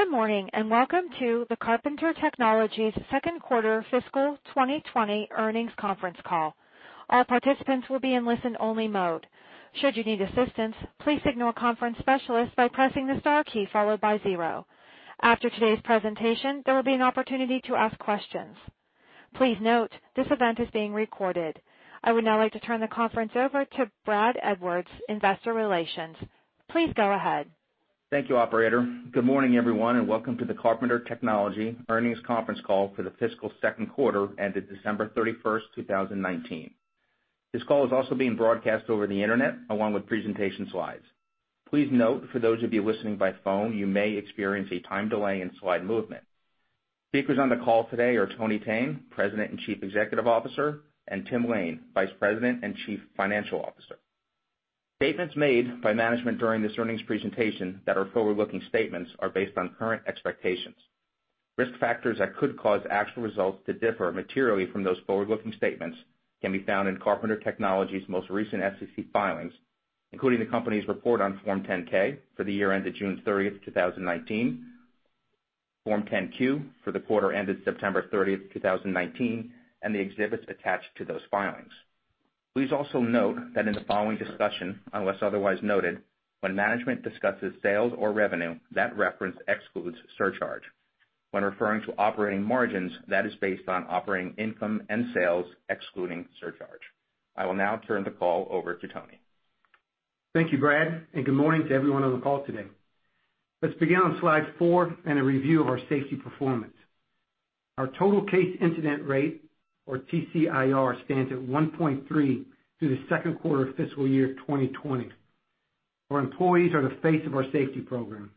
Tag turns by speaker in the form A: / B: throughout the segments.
A: Good morning, and welcome to the Carpenter Technology's second quarter fiscal 2020 earnings conference call. All participants will be in listen-only mode. Should you need assistance, please signal a conference specialist by pressing the star key followed by zero. After today's presentation, there will be an opportunity to ask questions. Please note, this event is being recorded. I would now like to turn the conference over to Brad Edwards, Investor Relations Representative. Please go ahead.
B: Thank you, operator. Good morning, everyone, and welcome to the Carpenter Technology earnings conference call for the fiscal second quarter ended December 31st, 2019. This call is also being broadcast over the internet along with presentation slides. Please note for those of you listening by phone, you may experience a time delay in slide movement. Speakers on the call today are Tony Thene, President and Chief Executive Officer, and Tim Lain, Vice President and Chief Financial Officer. Statements made by management during this earnings presentation that are forward-looking statements are based on current expectations. Risk factors that could cause actual results to differ materially from those forward-looking statements can be found in Carpenter Technology's most recent SEC filings, including the company's report on Form 10-K for the year ended June 30th, 2019, Form 10-Q for the quarter ended September 30th, 2019, and the exhibits attached to those filings. Please also note that in the following discussion, unless otherwise noted, when management discusses sales or revenue, that reference excludes surcharge. When referring to operating margins, that is based on operating income and sales excluding surcharge. I will now turn the call over to Tony Thene.
C: Thank you, Brad, and good morning to everyone on the call today. Let's begin on slide four in a review of our safety performance. Our total case incident rate, or total case incident rate, stands at 1.3 through the second quarter of FY 2020. Our employees are the face of our safety program.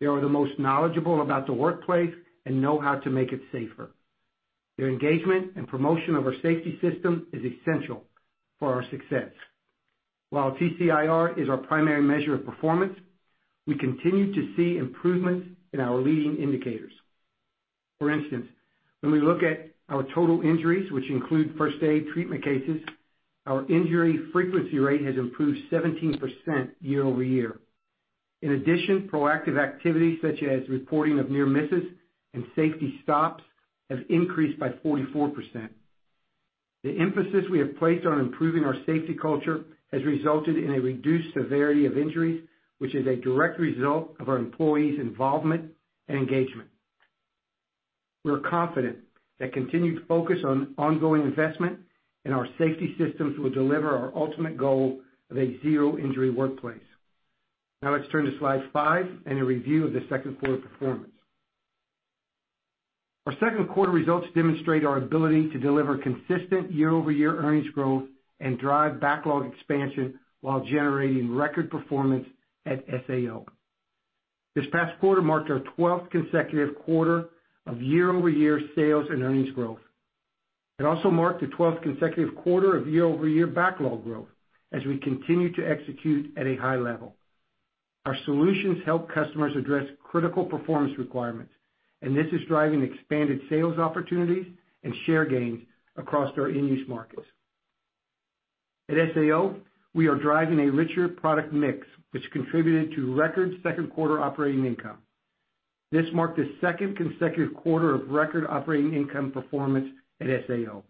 C: They are the most knowledgeable about the workplace and know how to make it safer. Their engagement and promotion of our safety system is essential for our success. While TCIR is our primary measure of performance, we continue to see improvements in our leading indicators. For instance, when we look at our total injuries, which include first aid treatment cases, our injury frequency rate has improved 17% year-over-year. In addition, proactive activities such as reporting of near misses and safety stops have increased by 44%. The emphasis we have placed on improving our safety culture has resulted in a reduced severity of injuries, which is a direct result of our employees' involvement and engagement. We are confident that continued focus on ongoing investment in our safety systems will deliver our ultimate goal of a zero injury workplace. Now let's turn to slide five and a review of the second quarter performance. Our second quarter results demonstrate our ability to deliver consistent year-over-year earnings growth and drive backlog expansion while generating record performance at Specialty Alloys Operations. This past quarter marked our 12th consecutive quarter of year-over-year sales and earnings growth. It also marked the 12th consecutive quarter of year-over-year backlog growth as we continue to execute at a high level. This is driving expanded sales opportunities and share gains across our end-use markets. At SAO, we are driving a richer product mix, which contributed to record second quarter operating income. This marked the second consecutive quarter of record operating income performance at SAO.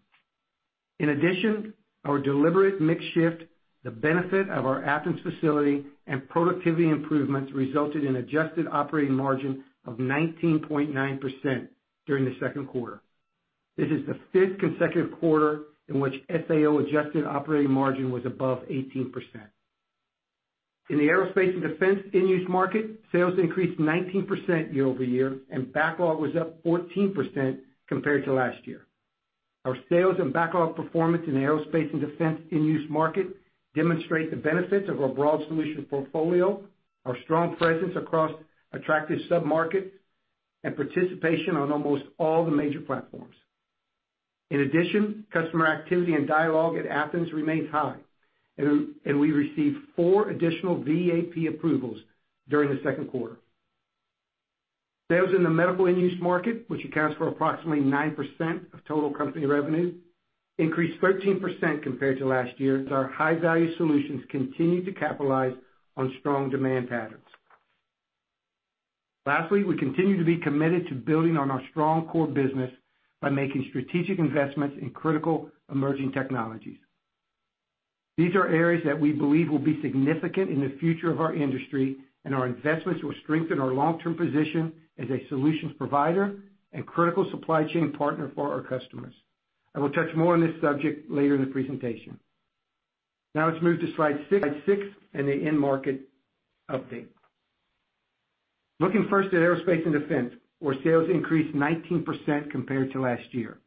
C: In addition, our deliberate mix shift, the benefit of our Athens facility, and productivity improvements resulted in adjusted operating margin of 19.9% during the second quarter. This is the fifth consecutive quarter in which SAO adjusted operating margin was above 18%. In the aerospace and defense end-use market, sales increased 19% year-over-year, and backlog was up 14% compared to last year. Our sales and backlog performance in the aerospace and defense end-use market demonstrate the benefits of our broad solution portfolio, our strong presence across attractive sub-markets, and participation on almost all the major platforms. In addition, customer activity and dialogue at Athens remains high, and we received four additional vendor approved process approvals during the second quarter. Sales in the medical end-use market, which accounts for approximately 9% of total company revenue, increased 13% compared to last year as our high-value solutions continue to capitalize on strong demand patterns. Lastly, we continue to be committed to building on our strong core business by making strategic investments in critical emerging technologies. These are areas that we believe will be significant in the future of our industry, and our investments will strengthen our long-term position as a solutions provider and critical supply chain partner for our customers. I will touch more on this subject later in the presentation. Now let's move to slide six and the end market update. Looking first at aerospace and defense, where sales increased 19% compared to last year.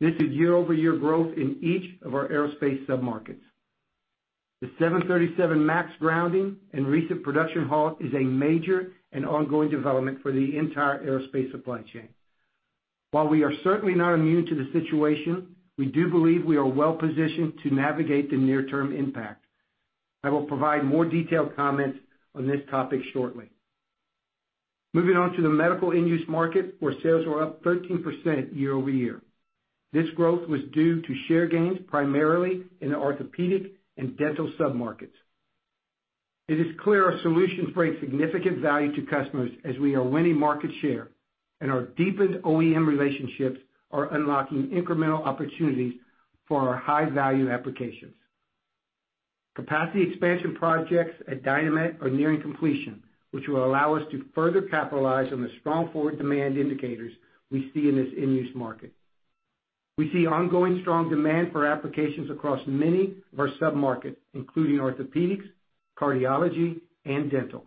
C: This is year-over-year growth in each of our aerospace sub-markets. The 737 MAX grounding and recent production halt is a major and ongoing development for the entire aerospace supply chain. While we are certainly not immune to the situation, we do believe we are well-positioned to navigate the near-term impact. I will provide more detailed comments on this topic shortly. Moving on to the medical end-use market, where sales were up 13% year-over-year. This growth was due to share gains primarily in the orthopedic and dental sub-markets. It is clear our solutions bring significant value to customers as we are winning market share, and our deepened original equipment manufacturer relationships are unlocking incremental opportunities for our high-value applications. Capacity expansion projects at Dynamet are nearing completion, which will allow us to further capitalize on the strong forward demand indicators we see in this end-use market. We see ongoing strong demand for applications across many of our sub-markets, including orthopedics, cardiology, and dental.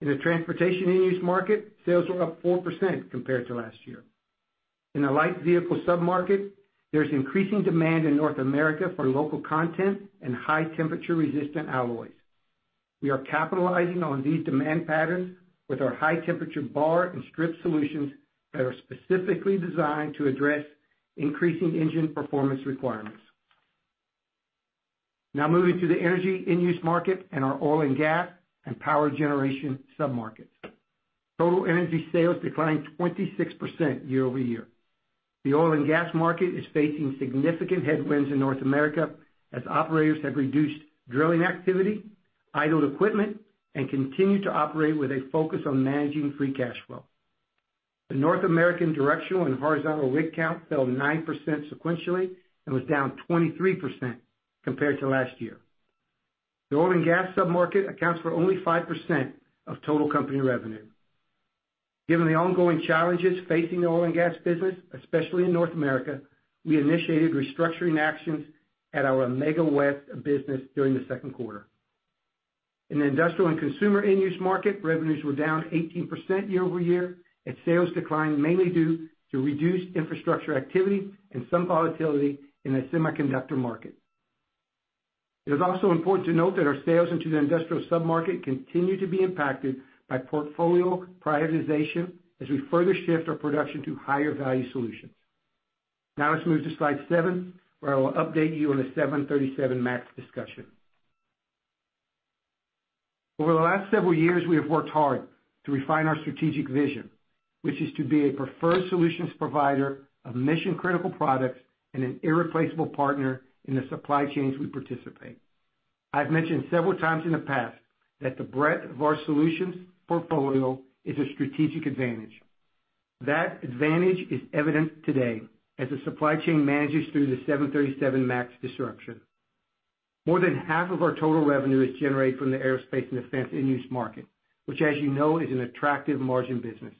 C: In the transportation end-use market, sales were up 4% compared to last year. In the light vehicle sub-market, there's increasing demand in North America for local content and high-temperature-resistant alloys. We are capitalizing on these demand patterns with our high-temperature bar and strip solutions that are specifically designed to address increasing engine performance requirements. Now moving to the energy end-use market and our oil and gas and power generation sub-markets. Total energy sales declined 26% year-over-year. The oil and gas market is facing significant headwinds in North America as operators have reduced drilling activity, idled equipment, and continue to operate with a focus on managing free cash flow. The North American directional and horizontal rig count fell 9% sequentially and was down 23% compared to last year. The oil and gas sub-market accounts for only 5% of total company revenue. Given the ongoing challenges facing the oil and gas business, especially in North America, we initiated restructuring actions at our Amega West business during the second quarter. In the industrial and consumer end-use market, revenues were down 18% year-over-year, its sales declined mainly due to reduced infrastructure activity and some volatility in the semiconductor market. It is also important to note that our sales into the industrial sub-market continue to be impacted by portfolio prioritization as we further shift our production to higher value solutions. Let's move to slide seven, where I will update you on the 737 MAX discussion. Over the last several years, we have worked hard to refine our strategic vision, which is to be a preferred solutions provider of mission-critical products and an irreplaceable partner in the supply chains we participate. I've mentioned several times in the past that the breadth of our solutions portfolio is a strategic advantage. That advantage is evident today as the supply chain manages through the 737 MAX disruption. More than half of our total revenue is generated from the aerospace and defense end-use market, which as you know, is an attractive margin business.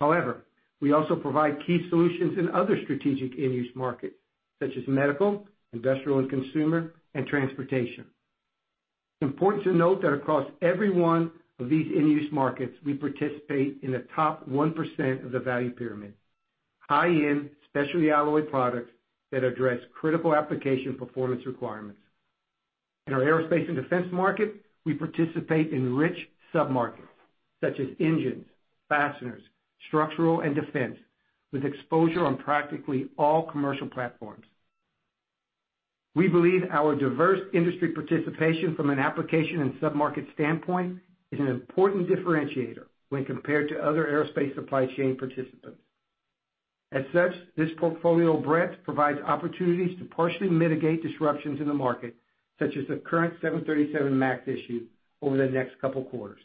C: However, we also provide key solutions in other strategic end-use markets, such as medical, industrial and consumer, and transportation. It's important to note that across every one of these end-use markets, we participate in the top 1% of the value pyramid. High-end specialty alloy products that address critical application performance requirements. In our aerospace and defense market, we participate in rich sub-markets such as engines, fasteners, structural, and defense, with exposure on practically all commercial platforms. We believe our diverse industry participation from an application and sub-market standpoint is an important differentiator when compared to other aerospace supply chain participants. As such, this portfolio breadth provides opportunities to partially mitigate disruptions in the market, such as the current 737 MAX issue over the next couple quarters.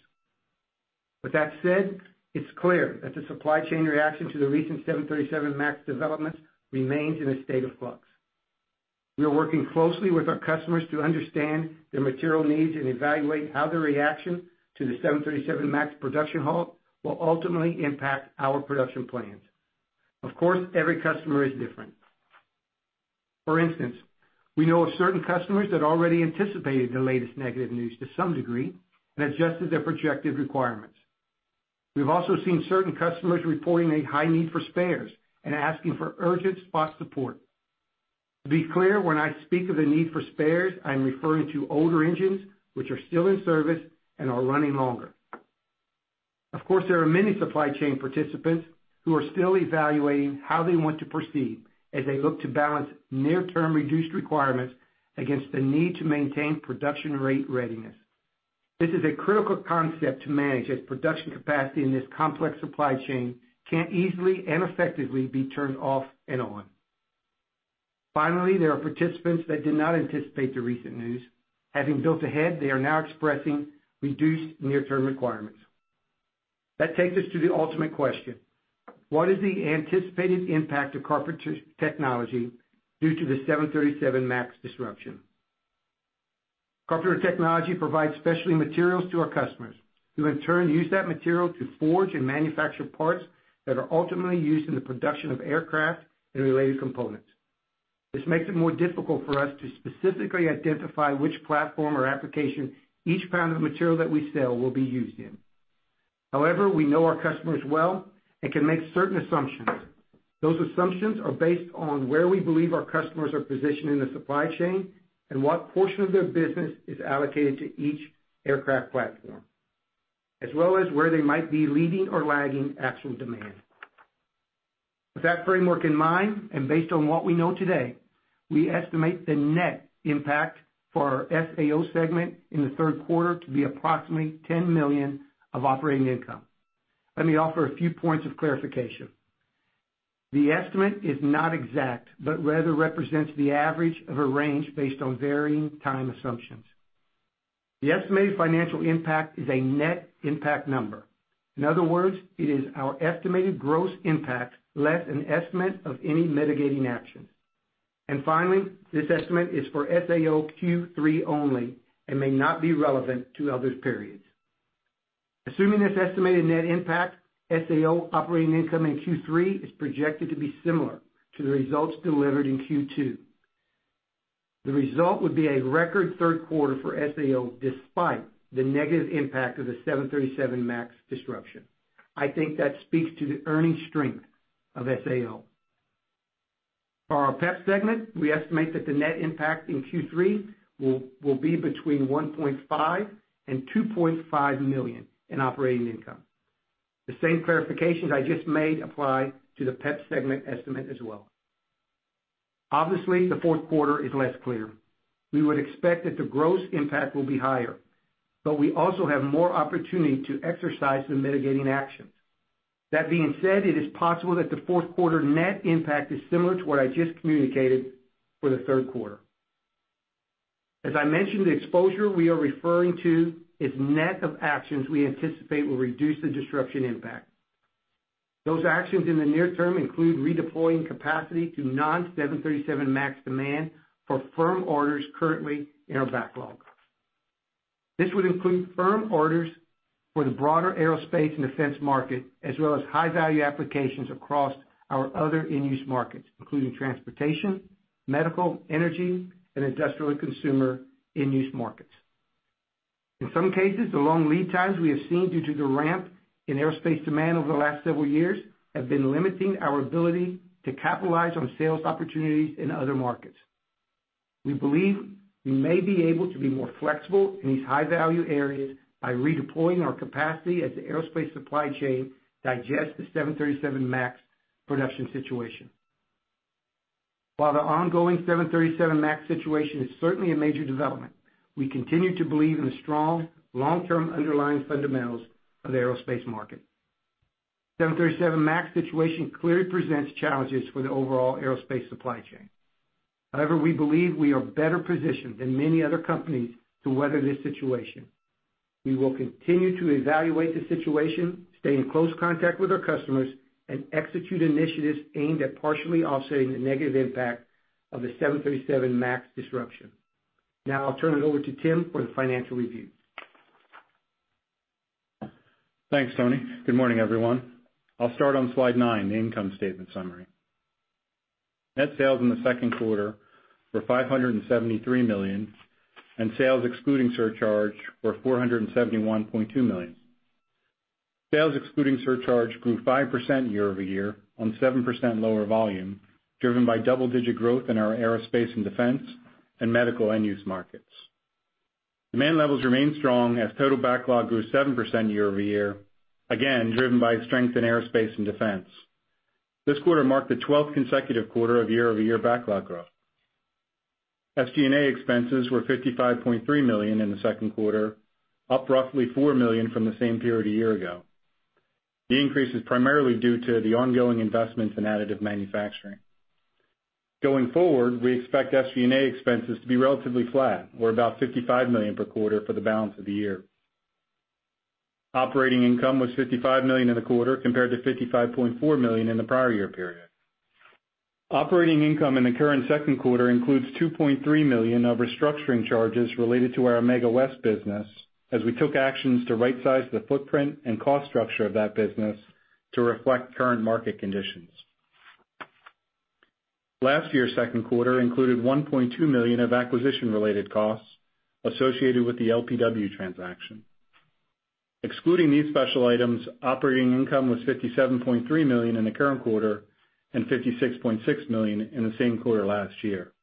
C: With that said, it's clear that the supply chain reaction to the recent 737 MAX developments remains in a state of flux. We are working closely with our customers to understand their material needs and evaluate how the reaction to the 737 MAX production halt will ultimately impact our production plans. Of course, every customer is different. For instance, we know of certain customers that already anticipated the latest negative news to some degree and adjusted their projected requirements. We've also seen certain customers reporting a high need for spares and asking for urgent spot support. To be clear, when I speak of the need for spares, I'm referring to older engines which are still in service and are running longer. Of course, there are many supply chain participants who are still evaluating how they want to proceed as they look to balance near-term reduced requirements against the need to maintain production rate readiness. This is a critical concept to manage as production capacity in this complex supply chain can't easily and effectively be turned off and on. Finally, there are participants that did not anticipate the recent news. Having built ahead, they are now expressing reduced near-term requirements. That takes us to the ultimate question: What is the anticipated impact of Carpenter Technology due to the 737 MAX disruption? Carpenter Technology provides specialty materials to our customers, who in turn use that material to forge and manufacture parts that are ultimately used in the production of aircraft and related components. This makes it more difficult for us to specifically identify which platform or application each pound of material that we sell will be used in. However, we know our customers well and can make certain assumptions. Those assumptions are based on where we believe our customers are positioned in the supply chain and what portion of their business is allocated to each aircraft platform, as well as where they might be leading or lagging actual demand. With that framework in mind, and based on what we know today, we estimate the net impact for our SAO segment in the third quarter to be approximately $10 million of operating income. Let me offer a few points of clarification. The estimate is not exact, but rather represents the average of a range based on varying time assumptions. The estimated financial impact is a net impact number. In other words, it is our estimated gross impact less an estimate of any mitigating action. Finally, this estimate is for SAO Q3 only and may not be relevant to other periods. Assuming this estimated net impact, SAO operating income in Q3 is projected to be similar to the results delivered in Q2. The result would be a record third quarter for SAO despite the negative impact of the 737 MAX disruption. I think that speaks to the earning strength of SAO. For our Performance Engineered Products segment, we estimate that the net impact in Q3 will be between $1.5 million and $2.5 million in operating income. The same clarifications I just made apply to the PEP segment estimate as well. Obviously, the fourth quarter is less clear. We would expect that the gross impact will be higher, but we also have more opportunity to exercise the mitigating actions. That being said, it is possible that the fourth quarter net impact is similar to what I just communicated for the third quarter. As I mentioned, the exposure we are referring to is net of actions we anticipate will reduce the disruption impact. Those actions in the near term include redeploying capacity to non 737 MAX demand for firm orders currently in our backlog. This would include firm orders for the broader aerospace and defense market, as well as high-value applications across our other end-use markets, including transportation, medical, energy, and industrial and consumer end-use markets. In some cases, the long lead times we have seen due to the ramp in aerospace demand over the last several years have been limiting our ability to capitalize on sales opportunities in other markets. We believe we may be able to be more flexible in these high-value areas by redeploying our capacity as the aerospace supply chain digests the 737 MAX production situation. While the ongoing 737 MAX situation is certainly a major development, we continue to believe in the strong long-term underlying fundamentals of the aerospace market. The 737 MAX situation clearly presents challenges for the overall aerospace supply chain. However, we believe we are better positioned than many other companies to weather this situation. We will continue to evaluate the situation, stay in close contact with our customers and execute initiatives aimed at partially offsetting the negative impact of the 737 MAX disruption. Now I'll turn it over to Tim Lain for the financial review.
D: Thanks, Tony. Good morning, everyone. I'll start on slide nine, the income statement summary. Net sales in the second quarter were $573 million, and sales excluding surcharge were $471.2 million. Sales excluding surcharge grew 5% year-over-year on 7% lower volume, driven by double-digit growth in our aerospace and defense and medical end-use markets. Demand levels remain strong as total backlog grew 7% year-over-year, again, driven by strength in aerospace and defense. This quarter marked the 12th consecutive quarter of year-over-year backlog growth. SG&A expenses were $55.3 million in the second quarter, up roughly $4 million from the same period a year ago. The increase is primarily due to the ongoing investments in additive manufacturing. Going forward, we expect SG&A expenses to be relatively flat or about $55 million per quarter for the balance of the year. Operating income was $55 million in the quarter, compared to $55.4 million in the prior year period. Operating income in the current second quarter includes $2.3 million of restructuring charges related to our Amega West business as we took actions to rightsize the footprint and cost structure of that business to reflect current market conditions. Last year's second quarter included $1.2 million of acquisition-related costs associated with the LPW transaction. Excluding these special items, operating income was $57.3 million in the current quarter and $56.6 million in the same quarter last year.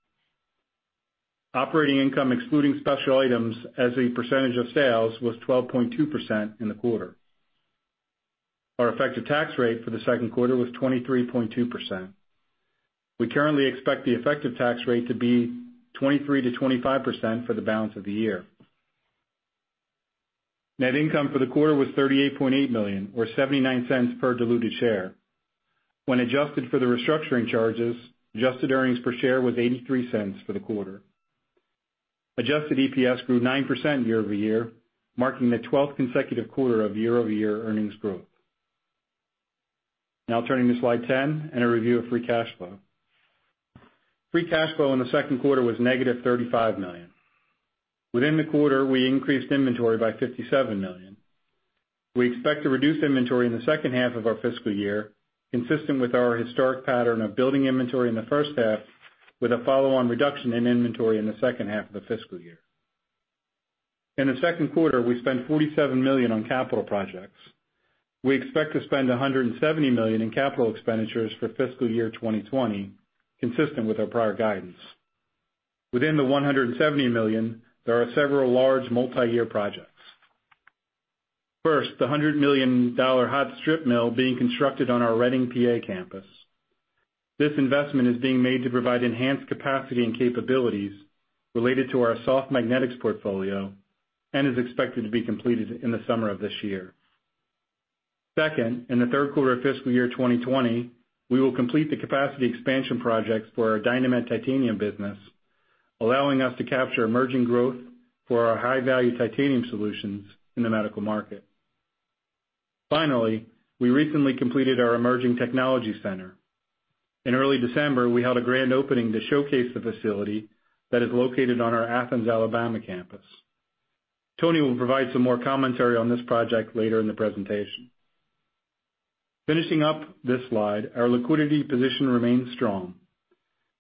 D: Operating income excluding special items as a percentage of sales was 12.2% in the quarter. Our effective tax rate for the second quarter was 23.2%. We currently expect the effective tax rate to be 23%-25% for the balance of the year. Net income for the quarter was $38.8 million, or $0.79 per diluted share. When adjusted for the restructuring charges, adjusted earnings per share was $0.83 for the quarter. Adjusted EPS grew 9% year-over-year, marking the 12th consecutive quarter of year-over-year earnings growth. Turning to slide 10 and a review of free cash flow. Free cash flow in the second quarter was -$35 million. Within the quarter, we increased inventory by $57 million. We expect to reduce inventory in the second half of our fiscal year, consistent with our historic pattern of building inventory in the first half with a follow-on reduction in inventory in the second half of the fiscal year. In the second quarter, we spent $47 million on capital projects. We expect to spend $170 million in capital expenditures for fiscal year 2020, consistent with our prior guidance. Within the $170 million, there are several large multiyear projects. First, the $100 million hot strip mill being constructed on our Reading, P.A. campus. This investment is being made to provide enhanced capacity and capabilities related to our soft magnetics portfolio and is expected to be completed in the summer of this year. Second, in the third quarter of fiscal year 2020, we will complete the capacity expansion projects for our Dynamet titanium business, allowing us to capture emerging growth for our high-value titanium solutions in the medical market. Finally, we recently completed our Emerging Technology Center. In early December, we held a grand opening to showcase the facility that is located on our Athens, Alabama campus. Tony will provide some more commentary on this project later in the presentation. Finishing up this slide, our liquidity position remains strong.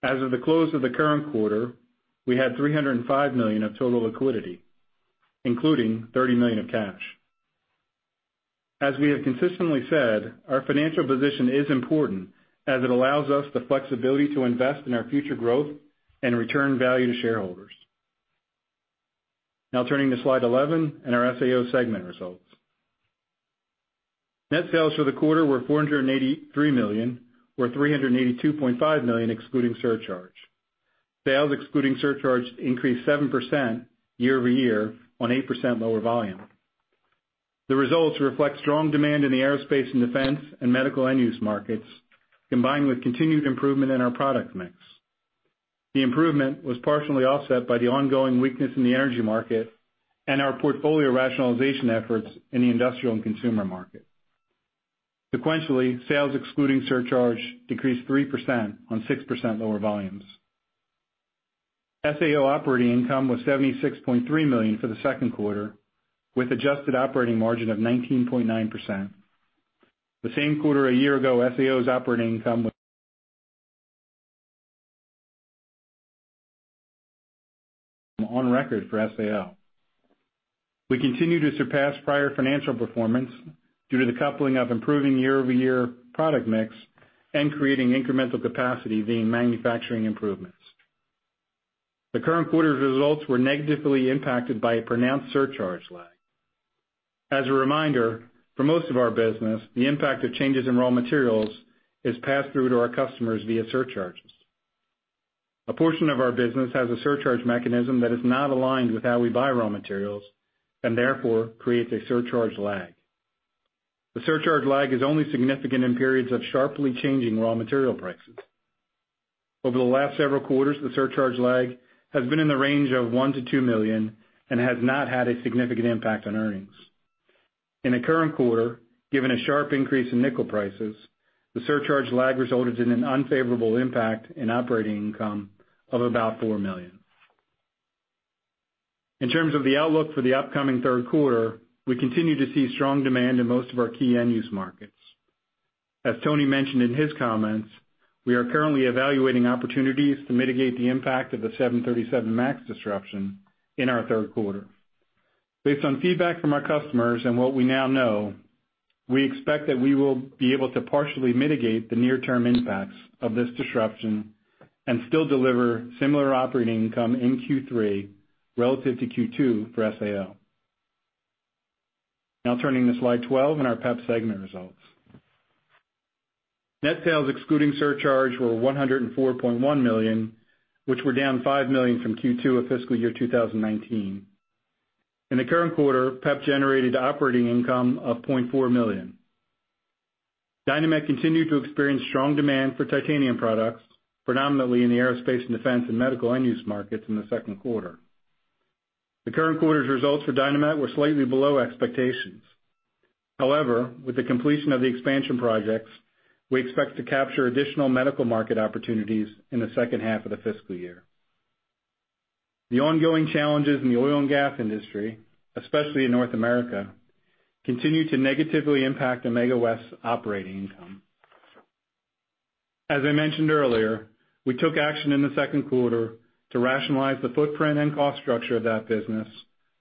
D: As of the close of the current quarter, we had $305 million of total liquidity, including $30 million of cash. As we have consistently said, our financial position is important as it allows us the flexibility to invest in our future growth and return value to shareholders. Now turning to slide 11 and our SAO segment results. Net sales for the quarter were $483 million, or $382.5 million excluding surcharge. Sales excluding surcharge increased 7% year-over-year on 8% lower volume. The results reflect strong demand in the aerospace and defense and medical end-use markets, combined with continued improvement in our product mix. The improvement was partially offset by the ongoing weakness in the energy market and our portfolio rationalization efforts in the industrial and consumer market. Sequentially, sales excluding surcharge decreased 3% on 6% lower volumes. SAO operating income was $76.3 million for the second quarter, with adjusted operating margin of 19.9%. The same quarter a year ago, SAO's operating income was on record for SAO. We continue to surpass prior financial performance due to the coupling of improving year-over-year product mix and creating incremental capacity via manufacturing improvements. The current quarter's results were negatively impacted by a pronounced surcharge lag. As a reminder, for most of our business, the impact of changes in raw materials is passed through to our customers via surcharges. A portion of our business has a surcharge mechanism that is not aligned with how we buy raw materials and therefore creates a surcharge lag. The surcharge lag is only significant in periods of sharply changing raw material prices. Over the last several quarters, the surcharge lag has been in the range of $1 million-$2 million and has not had a significant impact on earnings. In the current quarter, given a sharp increase in nickel prices, the surcharge lag resulted in an unfavorable impact in operating income of about $4 million. In terms of the outlook for the upcoming third quarter, we continue to see strong demand in most of our key end-use markets. As Tony mentioned in his comments, we are currently evaluating opportunities to mitigate the impact of the 737 MAX disruption in our third quarter. Based on feedback from our customers and what we now know, we expect that we will be able to partially mitigate the near-term impacts of this disruption and still deliver similar operating income in Q3 relative to Q2 for SAO. Now turning to slide 12 and our PEP segment results. Net sales excluding surcharge were $104.1 million, which were down $5 million from Q2 of fiscal year 2019. In the current quarter, PEP generated operating income of $0.4 million. Dynamet continued to experience strong demand for titanium products, predominantly in the aerospace and defense and medical end-use markets in the second quarter. The current quarter's results for Dynamet were slightly below expectations. However, with the completion of the expansion projects, we expect to capture additional medical market opportunities in the second half of the fiscal year. The ongoing challenges in the oil and gas industry, especially in North America, continue to negatively impact Amega West's operating income. As I mentioned earlier, we took action in the second quarter to rationalize the footprint and cost structure of that business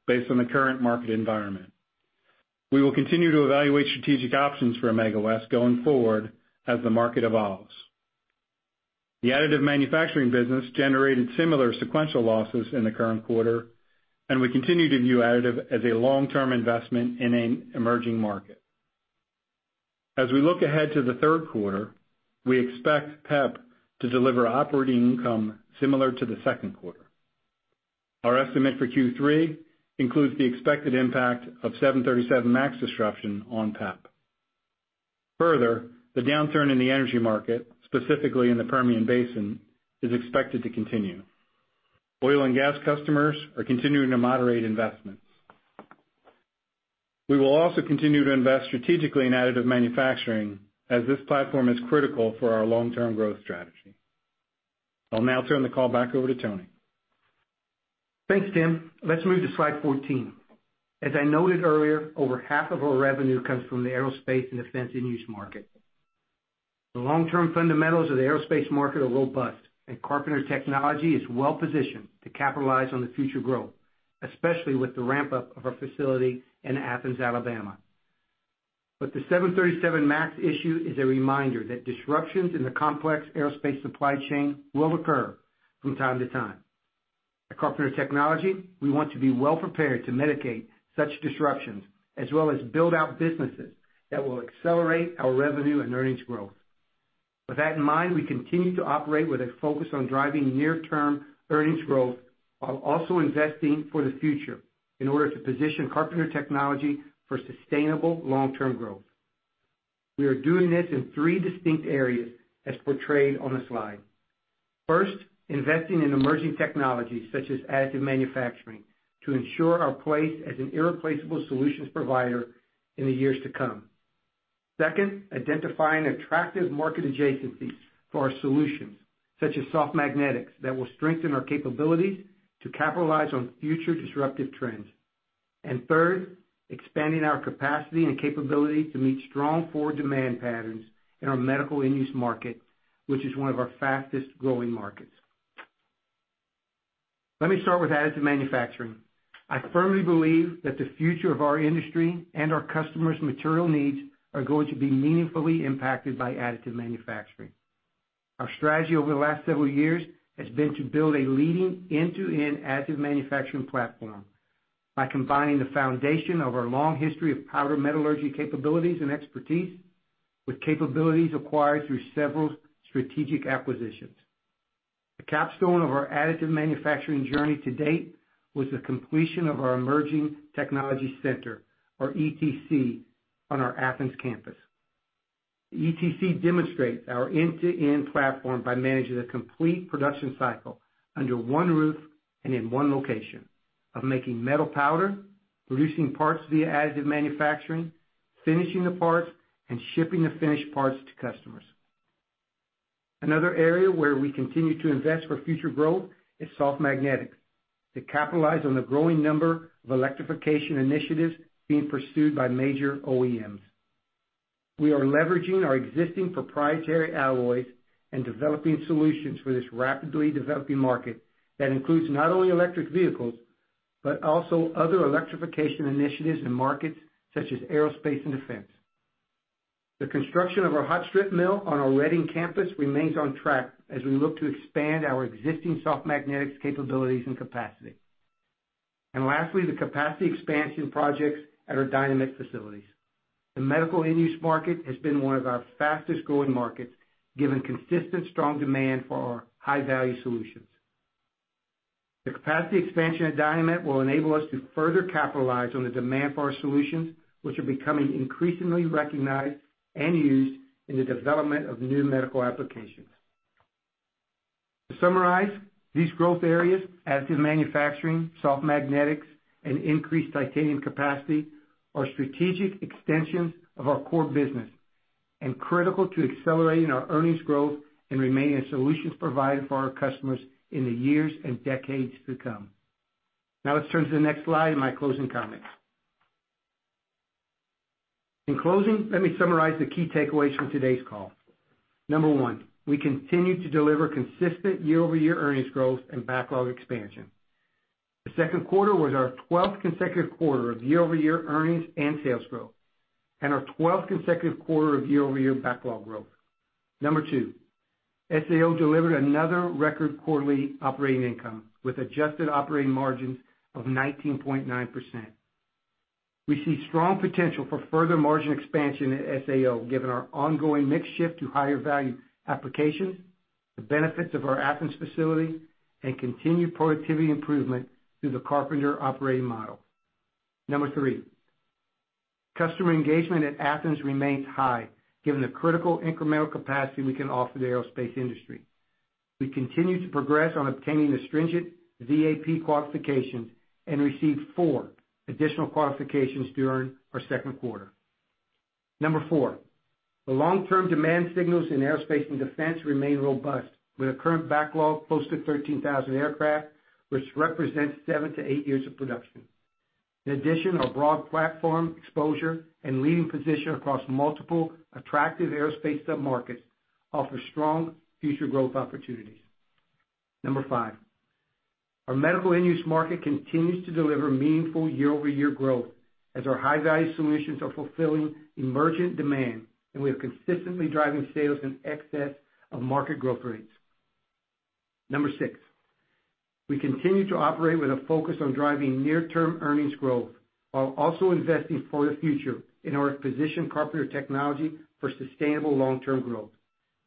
D: based on the current market environment. We will continue to evaluate strategic options for Amega West going forward as the market evolves. The additive manufacturing business generated similar sequential losses in the current quarter, and we continue to view additive as a long-term investment in an emerging market. As we look ahead to the third quarter, we expect PEP to deliver operating income similar to the second quarter. Our estimate for Q3 includes the expected impact of 737 MAX disruption on PEP. Further, the downturn in the energy market, specifically in the Permian Basin, is expected to continue. Oil and gas customers are continuing to moderate investments. We will also continue to invest strategically in additive manufacturing as this platform is critical for our long-term growth strategy. I'll now turn the call back over to Tony.
C: Thanks, Tim. Let's move to slide 14. As I noted earlier, over half of our revenue comes from the aerospace and defense end-use market. The long-term fundamentals of the aerospace market are robust, and Carpenter Technology is well-positioned to capitalize on the future growth, especially with the ramp-up of our facility in Athens, Alabama. The 737 MAX issue is a reminder that disruptions in the complex aerospace supply chain will occur from time to time. At Carpenter Technology, we want to be well prepared to mitigate such disruptions, as well as build out businesses that will accelerate our revenue and earnings growth. With that in mind, we continue to operate with a focus on driving near-term earnings growth while also investing for the future in order to position Carpenter Technology for sustainable long-term growth. We are doing this in three distinct areas as portrayed on the slide. First, investing in emerging technologies such as additive manufacturing to ensure our place as an irreplaceable solutions provider in the years to come. Second, identifying attractive market adjacencies for our solutions, such as soft magnetics, that will strengthen our capabilities to capitalize on future disruptive trends. Third, expanding our capacity and capability to meet strong forward demand patterns in our medical end-use market, which is one of our fastest-growing markets. Let me start with additive manufacturing. I firmly believe that the future of our industry and our customers' material needs are going to be meaningfully impacted by additive manufacturing. Our strategy over the last several years has been to build a leading end-to-end additive manufacturing platform by combining the foundation of our long history of powder metallurgy capabilities and expertise with capabilities acquired through several strategic acquisitions. The capstone of our additive manufacturing journey to date was the completion of our Emerging Technology Center, or ETC, on our Athens campus. The ETC demonstrates our end-to-end platform by managing the complete production cycle under one roof and in one location of making metal powder, producing parts via additive manufacturing, finishing the parts, and shipping the finished parts to customers. Another area where we continue to invest for future growth is soft magnetics to capitalize on the growing number of electrification initiatives being pursued by major OEMs. We are leveraging our existing proprietary alloys and developing solutions for this rapidly developing market that includes not only electric vehicles, but also other electrification initiatives in markets such as aerospace and defense. The construction of our hot strip mill on our Reading campus remains on track as we look to expand our existing soft magnetics capabilities and capacity. Lastly, the capacity expansion projects at our Dynamet facilities. The medical end-use market has been one of our fastest-growing markets, given consistent strong demand for our high-value solutions. The capacity expansion at Dynamet will enable us to further capitalize on the demand for our solutions, which are becoming increasingly recognized and used in the development of new medical applications. To summarize, these growth areas, additive manufacturing, soft magnetics, and increased titanium capacity, are strategic extensions of our core business and critical to accelerating our earnings growth and remaining a solutions provider for our customers in the years and decades to come. Now let's turn to the next slide and my closing comments. In closing, let me summarize the key takeaways from today's call. Number one, we continue to deliver consistent year-over-year earnings growth and backlog expansion. The second quarter was our 12th consecutive quarter of year-over-year earnings and sales growth, and our 12th consecutive quarter of year-over-year backlog growth. Number two, SAO delivered another record quarterly operating income with adjusted operating margins of 19.9%. We see strong potential for further margin expansion at SAO, given our ongoing mix shift to higher-value applications, the benefits of our Athens facility, and continued productivity improvement through the Carpenter operating model. Number three, customer engagement at Athens remains high, given the critical incremental capacity we can offer the aerospace industry. We continue to progress on obtaining the stringent VAP qualifications and received four additional qualifications during our second quarter. Number four, the long-term demand signals in aerospace and defense remain robust with a current backlog close to 13,000 aircraft, which represents seven to eight years of production. In addition, our broad platform exposure and leading position across multiple attractive aerospace submarkets offer strong future growth opportunities. Number five, our medical end-use market continues to deliver meaningful year-over-year growth as our high-value solutions are fulfilling emergent demand, and we are consistently driving sales in excess of market growth rates. Number six, we continue to operate with a focus on driving near-term earnings growth while also investing for the future in order to position Carpenter Technology for sustainable long-term growth.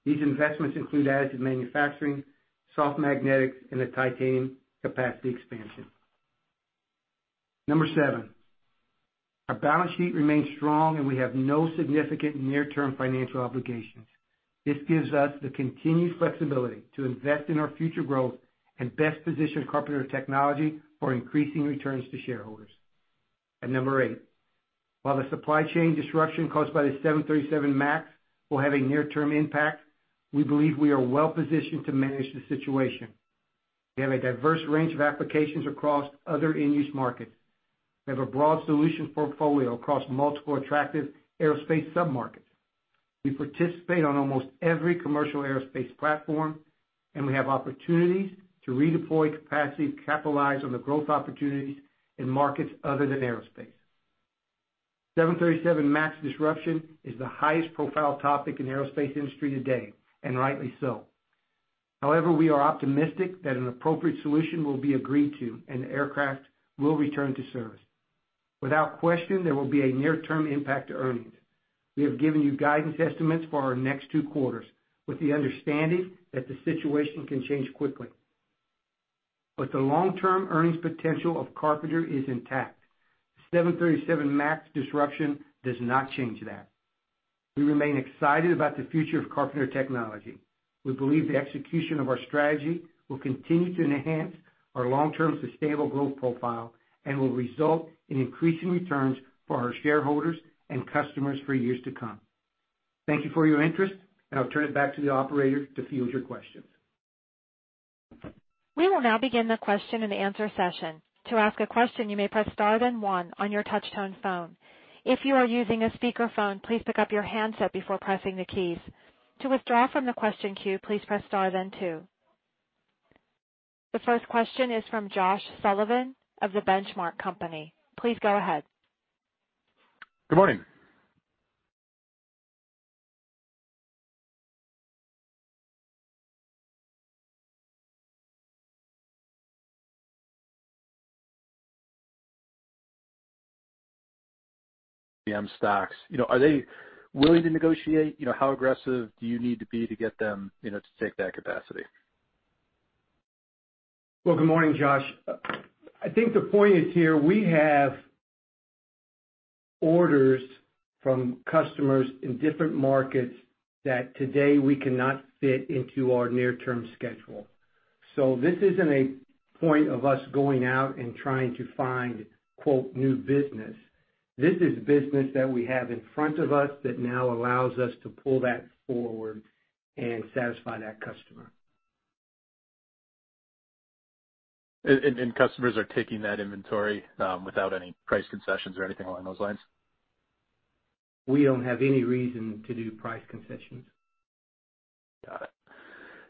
C: These investments include additive manufacturing, soft magnetics, and the titanium capacity expansion. Number seven, our balance sheet remains strong, and we have no significant near-term financial obligations. This gives us the continued flexibility to invest in our future growth and best position Carpenter Technology for increasing returns to shareholders. Number eight, while the supply chain disruption caused by the 737 MAX will have a near-term impact, we believe we are well-positioned to manage the situation. We have a diverse range of applications across other end-use markets. We have a broad solution portfolio across multiple attractive aerospace submarkets. We participate on almost every commercial aerospace platform. We have opportunities to redeploy capacity to capitalize on the growth opportunities in markets other than aerospace. 737 MAX disruption is the highest profile topic in the aerospace industry today, and rightly so. However, we are optimistic that an appropriate solution will be agreed to and the aircraft will return to service. Without question, there will be a near-term impact to earnings. We have given you guidance estimates for our next two quarters with the understanding that the situation can change quickly. The long-term earnings potential of Carpenter is intact. The 737 MAX disruption does not change that. We remain excited about the future of Carpenter Technology. We believe the execution of our strategy will continue to enhance our long-term sustainable growth profile and will result in increasing returns for our shareholders and customers for years to come. Thank you for your interest, and I'll turn it back to the operator to field your questions.
A: We will now begin the question and answer session. To ask a question, you may press star then one on your touch-tone phone. If you are using a speakerphone, please pick up your handset before pressing the keys. To withdraw from the question queue, please press star then two. The first question is from Josh Sullivan of The Benchmark Company. Please go ahead.
E: Good morning. are they willing to negotiate? How aggressive do you need to be to get them to take that capacity?
C: Well, good morning, Josh. I think the point is here, we have orders from customers in different markets that today we cannot fit into our near-term schedule. This isn't a point of us going out and trying to find, "new business." This is business that we have in front of us that now allows us to pull that forward and satisfy that customer.
E: Customers are taking that inventory without any price concessions or anything along those lines?
C: We don't have any reason to do price concessions.
E: Got it.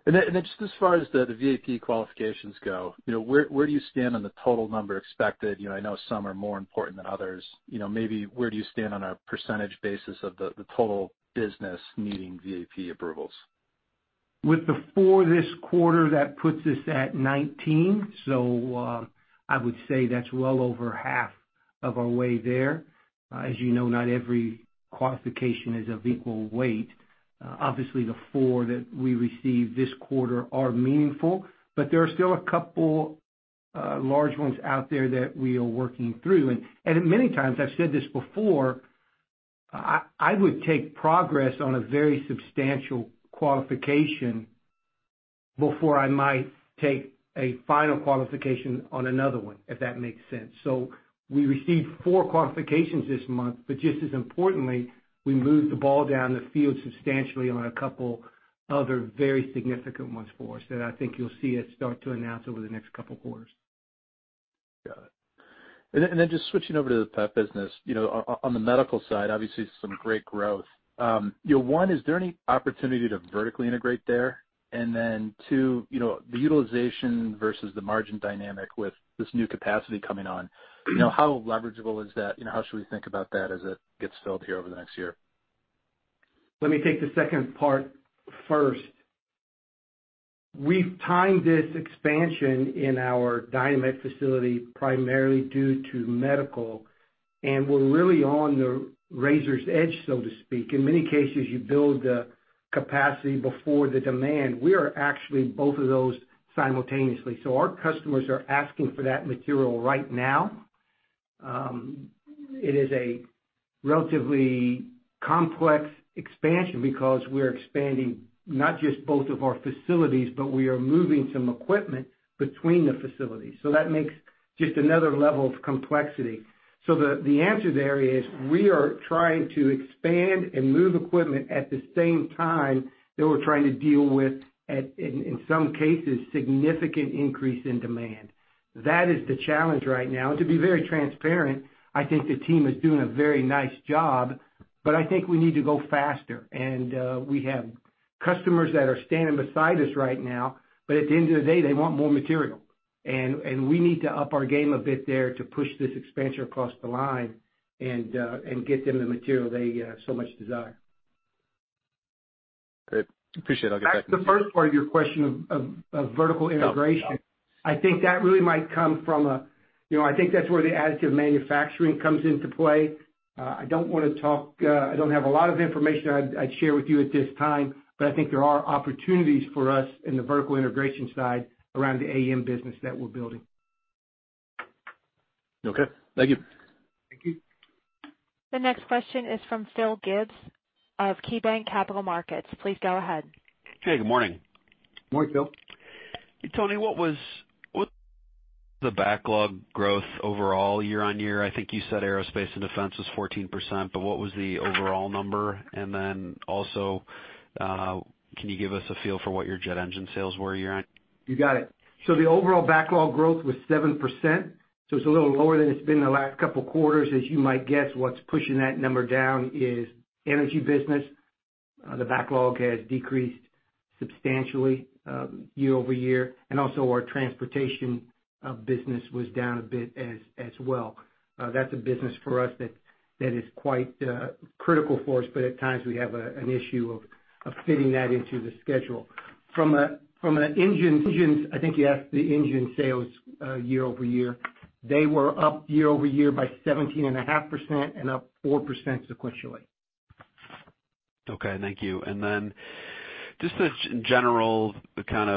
E: Just as far as the Vendor Approved Process qualifications go, where do you stand on the total number expected? I know some are more important than others. Maybe where do you stand on a percentage basis of the total business needing VAP approvals?
C: With the four this quarter, that puts us at 19. I would say that's well over half of our way there. As you know, not every qualification is of equal weight. Obviously, the four that we received this quarter are meaningful, but there are still a couple large ones out there that we are working through. Many times, I've said this before, I would take progress on a very substantial qualification before I might take a final qualification on another one, if that makes sense. We received four qualifications this month, but just as importantly, we moved the ball down the field substantially on a couple other very significant ones for us that I think you'll see us start to announce over the next couple of quarters.
E: Got it. Just switching over to the Performance Engineered Products business. On the medical side, obviously, some great growth. One, is there any opportunity to vertically integrate there? Two, the utilization versus the margin dynamic with this new capacity coming on, how leverageable is that? How should we think about that as it gets filled here over the next year?
C: Let me take the second part first. We've timed this expansion in our Dynamet facility primarily due to medical, and we're really on the razor's edge, so to speak. In many cases, you build the capacity before the demand. We are actually both of those simultaneously. Our customers are asking for that material right now. It is a relatively complex expansion because we're expanding not just both of our facilities, but we are moving some equipment between the facilities. That makes just another level of complexity. The answer there is we are trying to expand and move equipment at the same time that we're trying to deal with, in some cases, significant increase in demand. That is the challenge right now. To be very transparent, I think the team is doing a very nice job, but I think we need to go faster. We have customers that are standing beside us right now, but at the end of the day, they want more material, and we need to up our game a bit there to push this expansion across the line and get them the material they so much desire.
E: Great. Appreciate it.
C: Back to the first part of your question of vertical integration.
E: Oh.
C: I think that's where the additive manufacturing comes into play. I don't have a lot of information I'd share with you at this time, but I think there are opportunities for us in the vertical integration side around the additive manufacturing business that we're building.
E: Okay. Thank you.
C: Thank you.
A: The next question is from Phil Gibbs of KeyBanc Capital Markets. Please go ahead.
F: Hey, good morning.
C: Morning, Phil.
F: Tony, what was the backlog growth overall year-on-year? I think you said aerospace and defense was 14%, but what was the overall number? Also, can you give us a feel for what your jet engine sales were year-on-year?
C: You got it. The overall backlog growth was 7%, so it's a little lower than it's been in the last couple of quarters. As you might guess, what's pushing that number down is energy business. The backlog has decreased substantially year-over-year. Also our transportation business was down a bit as well. That's a business for us that is quite critical for us, but at times we have an issue of fitting that into the schedule. I think you asked the engine sales year-over-year. They were up year-over-year by 17.5% and up 4% sequentially.
F: Okay, thank you. Just a general kind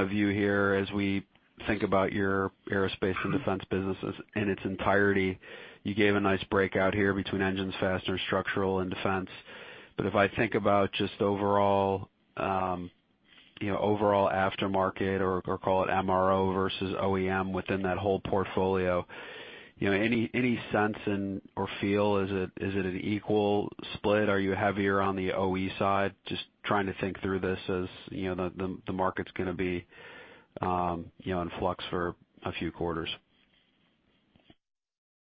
F: of view here as we think about your aerospace and defense businesses in its entirety. You gave a nice breakout here between engines, fastener, structural, and defense. If I think about just overall aftermarket, or call it maintenance, repair, and overhaul versus OEM within that whole portfolio, any sense or feel? Is it an equal split? Are you heavier on the original equipment side? Just trying to think through this as the market's going to be in flux for a few quarters.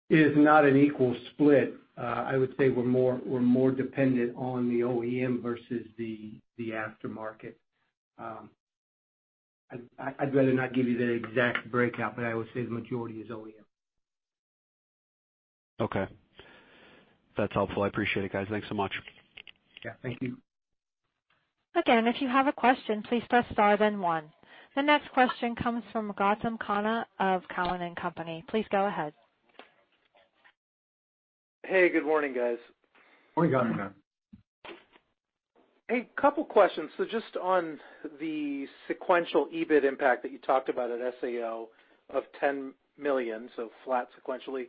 C: It is not an equal split. I would say we're more dependent on the OEM versus the aftermarket. I'd rather not give you the exact breakout, but I would say the majority is OEM.
F: Okay. That's helpful. I appreciate it, guys. Thanks so much.
C: Yeah. Thank you.
A: Again, if you have a question, please press star then one. The next question comes from Gautam Khanna of Cowen and Company. Please go ahead.
G: Hey, good morning, guys.
C: Morning, Gautam.
G: Hey, couple questions. Just on the sequential EBIT impact that you talked about at SAO of $10 million, so flat sequentially.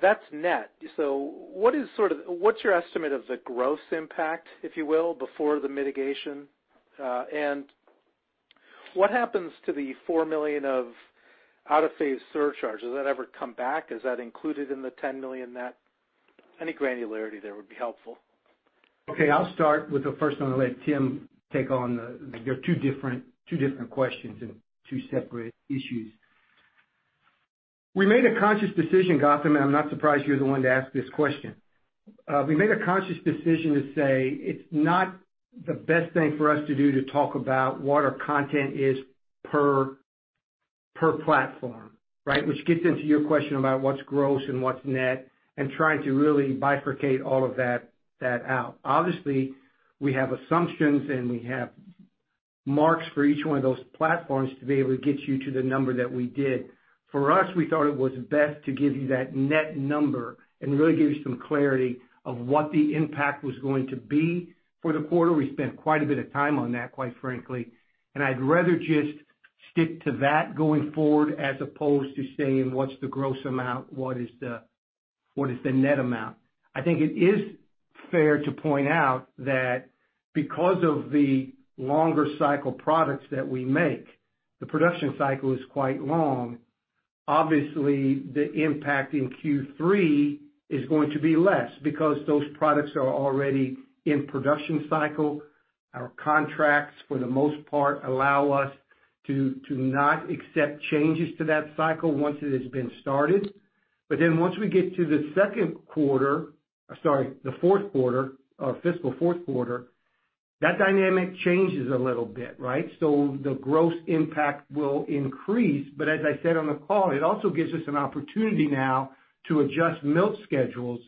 G: That's net. What's your estimate of the gross impact, if you will, before the mitigation? What happens to the $4 million of out-of-phase surcharge? Does that ever come back? Is that included in the $10 million net? Any granularity there would be helpful.
C: Okay, I'll start with the first one and let Tim take on. They're two different questions and two separate issues. We made a conscious decision, Gautam, and I'm not surprised you're the one to ask this question. We made a conscious decision to say it's not the best thing for us to do to talk about what our content is per platform, right? Which gets into your question about what's gross and what's net and trying to really bifurcate all of that out. Obviously, we have assumptions and we have marks for each one of those platforms to be able to get you to the number that we did. For us, we thought it was best to give you that net number and really give you some clarity of what the impact was going to be for the quarter. We spent quite a bit of time on that, quite frankly, and I'd rather just stick to that going forward as opposed to saying what's the gross amount, what is the net amount. I think it is fair to point out that because of the longer cycle products that we make, the production cycle is quite long. Obviously, the impact in Q3 is going to be less because those products are already in production cycle. Our contracts, for the most part, allow us to not accept changes to that cycle once it has been started. Once we get to the fourth quarter, our fiscal fourth quarter, that dynamic changes a little bit, right? The gross impact will increase, but as I said on the call, it also gives us an opportunity now to adjust mill schedules,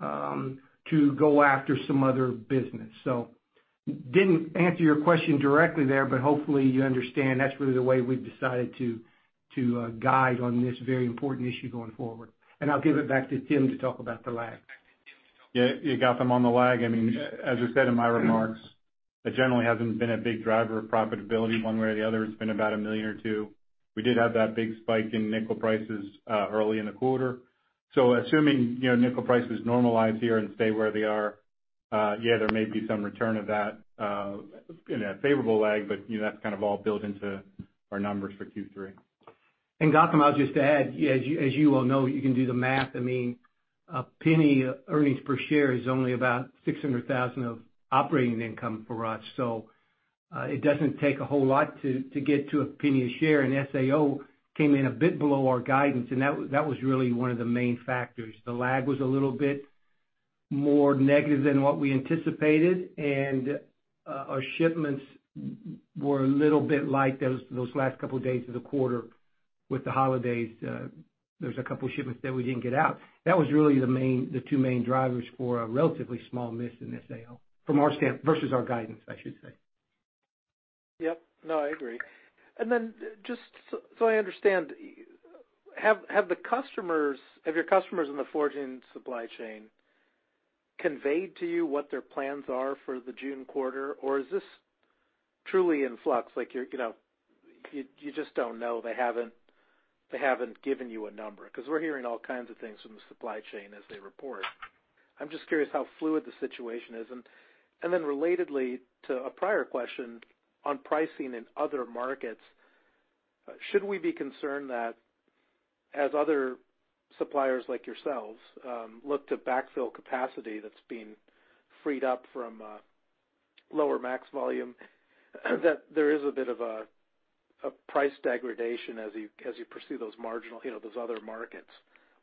C: to go after some other business. Didn't answer your question directly there, but hopefully you understand that's really the way we've decided to guide on this very important issue going forward. I'll give it back to Tim to talk about the lag.
D: Gautam, on the lag, as I said in my remarks, that generally hasn't been a big driver of profitability one way or the other. It's been about $1 million or $2 million. We did have that big spike in nickel prices early in the quarter. Assuming nickel prices normalize here and stay where they are, yeah, there may be some return of that in a favorable lag, but that's kind of all built into our numbers for Q3.
C: Gautam, I'll just add, as you well know, you can do the math. $0.01 earnings per share is only about $600,000 of operating income for us. It doesn't take a whole lot to get to $0.01 a share. SAO came in a bit below our guidance, and that was really one of the main factors. The lag was a little bit more negative than what we anticipated, and our shipments were a little bit light those last couple of days of the quarter with the holidays. There's a couple shipments that we didn't get out. That was really the two main drivers for a relatively small miss in SAO versus our guidance, I should say.
G: Yep. No, I agree. Then just so I understand, have your customers in the forging supply chain conveyed to you what their plans are for the June quarter? Or is this truly in flux? Like, you just don't know. They haven't given you a number. Because we're hearing all kinds of things from the supply chain as they report. I'm just curious how fluid the situation is. Then relatedly to a prior question on pricing in other markets, should we be concerned that as other suppliers like yourselves look to backfill capacity that's been freed up from lower MAX volume, that there is a bit of a price degradation as you pursue those marginal, those other markets?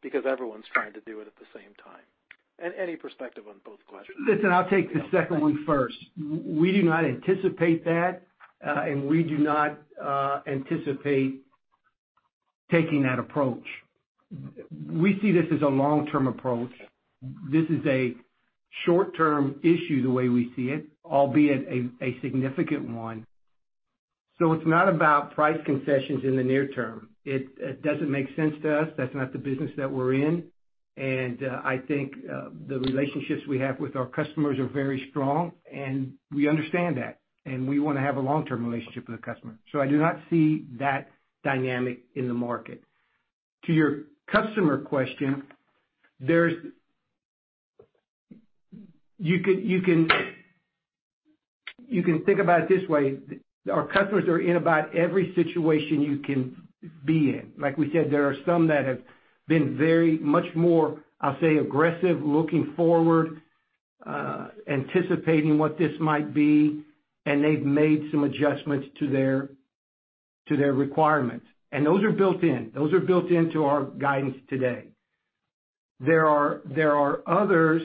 G: Because everyone's trying to do it at the same time. Any perspective on both questions.
C: Listen, I'll take the second one first. We do not anticipate that, and we do not anticipate taking that approach. We see this as a long-term approach. This is a short-term issue the way we see it, albeit a significant one. It's not about price concessions in the near term. It doesn't make sense to us. That's not the business that we're in. I think the relationships we have with our customers are very strong, and we understand that, and we want to have a long-term relationship with the customer. I do not see that dynamic in the market. To your customer question, you can think about it this way. Our customers are in about every situation you can be in. Like we said, there are some that have been very much more, I'll say, aggressive, looking forward, anticipating what this might be, and they've made some adjustments to their requirements. Those are built in. Those are built into our guidance today. There are others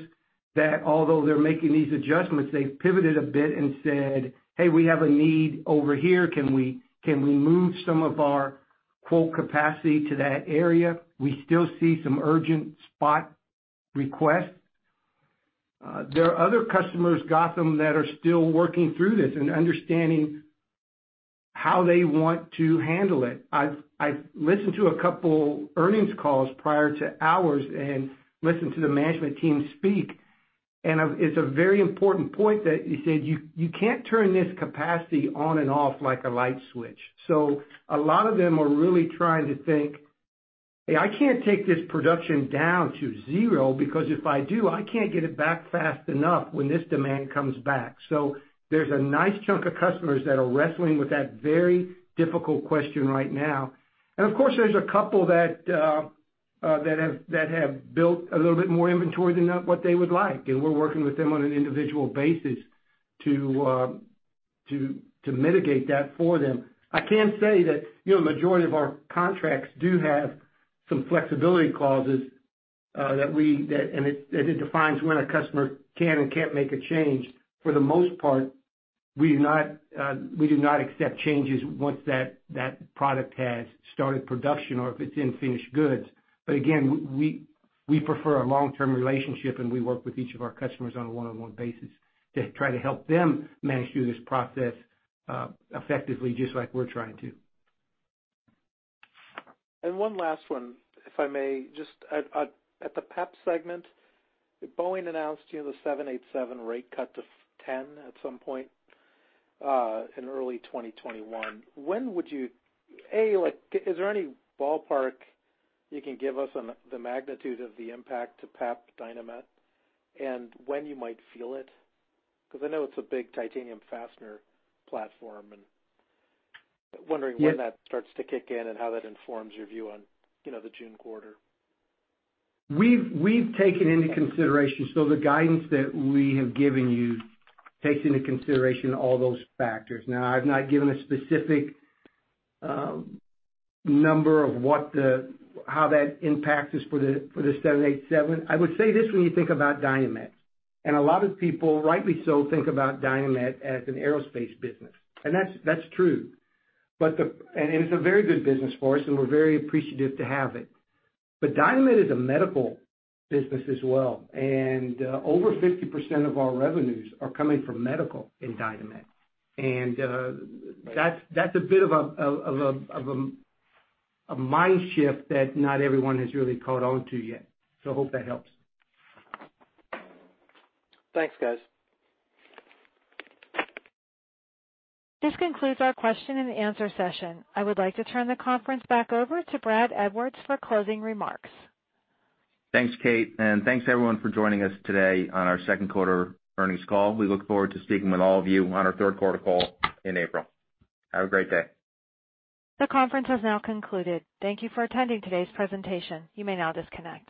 C: that although they're making these adjustments, they've pivoted a bit and said, "Hey, we have a need over here. Can we move some of our quote capacity to that area?" We still see some urgent spot requests. There are other customers, Gautam, that are still working through this and understanding how they want to handle it. I listened to a couple earnings calls prior to ours and listened to the management team speak, and it's a very important point that you said you can't turn this capacity on and off like a light switch. A lot of them are really trying to think, "Hey, I can't take this production down to zero because if I do, I can't get it back fast enough when this demand comes back." There's a nice chunk of customers that are wrestling with that very difficult question right now. Of course, there's a couple that have built a little bit more inventory than what they would like, and we're working with them on an individual basis to mitigate that for them. I can say that majority of our contracts do have some flexibility clauses. It defines when a customer can and can't make a change. For the most part, we do not accept changes once that product has started production or if it's in finished goods. Again, we prefer a long-term relationship, and we work with each of our customers on a one-on-one basis to try to help them manage through this process effectively, just like we're trying to.
G: One last one, if I may. Just at the PEP segment, Boeing announced the 787 rate cut to 10 at some point, in early 2021. Is there any ballpark you can give us on the magnitude of the impact to PEP Dynamet and when you might feel it? Because I know it's a big titanium fastener platform and wondering when that starts to kick in and how that informs your view on the June quarter.
C: We've taken into consideration. The guidance that we have given you takes into consideration all those factors. I've not given a specific number of how that impacts us for the 787. I would say this when you think about Dynamet, and a lot of people, rightly so, think about Dynamet as an aerospace business. That's true. It's a very good business for us, and we're very appreciative to have it. Dynamet is a medical business as well. Over 50% of our revenues are coming from medical in Dynamet. That's a bit of a mind shift that not everyone has really caught on to yet. Hope that helps.
G: Thanks, guys.
A: This concludes our question and answer session. I would like to turn the conference back over to Brad Edwards for closing remarks.
B: Thanks, Kate, and thanks everyone for joining us today on our second quarter earnings call. We look forward to speaking with all of you on our third quarter call in April. Have a great day.
A: The conference has now concluded. Thank you for attending today's presentation. You may now disconnect.